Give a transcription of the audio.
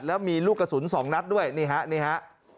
แล้วมีลูกกระสุน๒นัดด้วยนี่ฮะนี่ฮะ